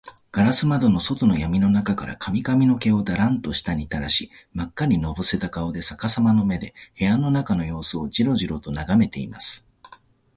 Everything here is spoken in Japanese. ガラス窓の外のやみの中から、髪かみの毛をダランと下にたらし、まっかにのぼせた顔で、さかさまの目で、部屋の中のようすをジロジロとながめています。